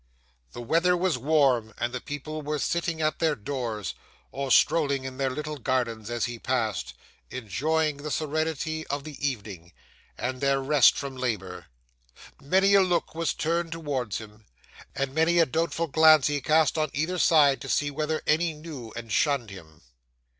The weather was warm, and the people were sitting at their doors, or strolling in their little gardens as he passed, enjoying the serenity of the evening, and their rest from labour. Many a look was turned towards him, and many a doubtful glance he cast on either side to see whether any knew and shunned him.